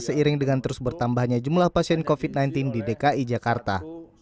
seiring dengan terus bertambahnya jumlah pasien covid sembilan belas di dki jakarta